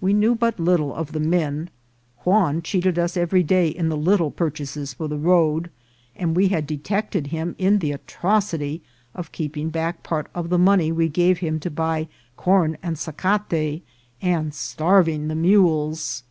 We knew but lit tle of the men. Juan cheated us every day in the lit tle purchases for the road, and we had detected him in the atrocity of keeping back part of the money we gave him to buy corn and sacate, and starving the mules.